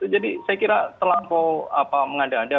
jadi saya kira telah mengada ada